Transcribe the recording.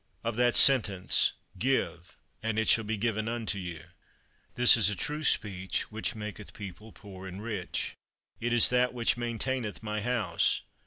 Of that Sentence, "Give, and it shall be given unto you._"_ This is a true speech which maketh people poor and rich; it is that which maintaineth my house.